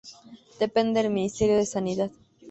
Depende del Ministerio de Sanidad.